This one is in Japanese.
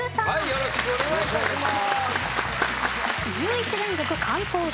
よろしくお願いします。